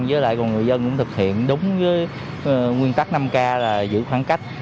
với lại cùng người dân cũng thực hiện đúng với nguyên tắc năm k là giữ khoảng cách